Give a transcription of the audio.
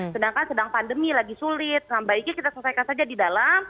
sedangkan sedang pandemi lagi sulit sebaiknya kita selesaikan saja di dalam